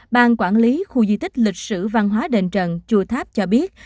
ban quản lý khu di tích lịch sử văn hóa đền trần chùa tháp cho biết